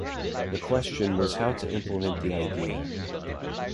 The question was how to implement the idea.